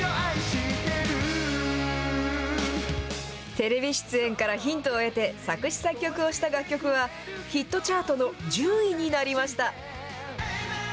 テレビ出演からヒントを得て、作詞作曲をした楽曲は、ヒットチャートの１０位になりました。